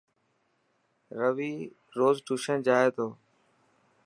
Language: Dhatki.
روي روز ٽيوشن جائي ٿو.